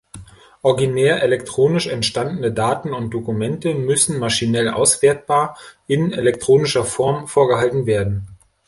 Originär elektronisch entstandene Daten und Dokumente müssen maschinell auswertbar in elektronischer Form vorgehalten werden.